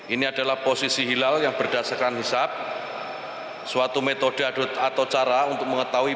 ini adalah posisi hilal yang berdasarkan hisap suatu metode atau cara untuk mengetahui